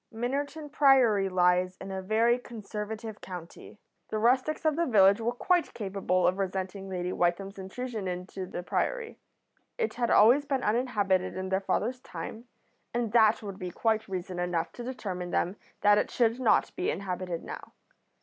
Minnerton Priory lies in a very conservative county. The rustics of the village were quite capable of resenting Lady Wytham's intrusion into the Priory. It had always been uninhabited in their father's time, and that would be quite reason enough to determine them that it should not be inhabited now.